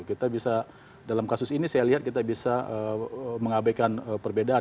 kita bisa dalam kasus ini saya lihat kita bisa mengabaikan perbedaan